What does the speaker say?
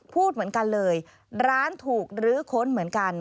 พูดเหมือนกันเลยร้านถูกลื้อค้นเหมือนกัน